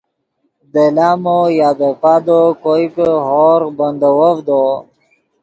دے لامو یا دے پادو کوئے کہ ہورغ بندیوڤدو